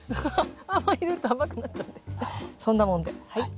あんまり入れると甘くなっちゃうんでそんなもんではい。